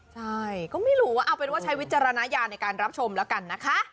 ใช่ก็ไม่รู้ว่าเอาเป็นว่าใช้วิจารณญาณในการรับชมแล้วกันนะคะ